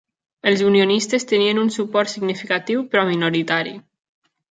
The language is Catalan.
Els unionistes tenien un suport significatiu però minoritari.